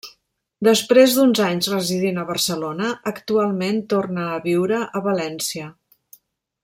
Després d'uns anys residint a Barcelona, actualment torna a viure a València.